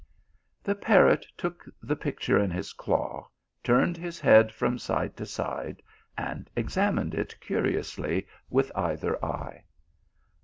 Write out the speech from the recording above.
The parrot took the picture in his claw, turned his head from side to side, and examined it curiously with either eye.